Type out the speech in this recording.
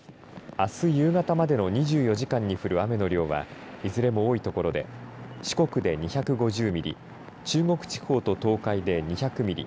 あす夕方までの２４時間に降る雨の量はいずれも多い所で四国で２５０ミリ中国地方と東海で２００ミリ